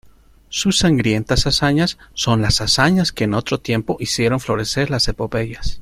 sus sangrientas hazañas son las hazañas que en otro tiempo hicieron florecer las epopeyas.